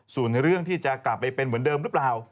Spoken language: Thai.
ส่วนเรื่องที่จะกลับไปเป็นเหมือนเดิมหรือเปล่า